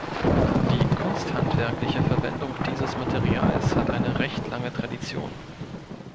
Die kunsthandwerkliche Verwendung dieses Materials hat eine recht lange Tradition.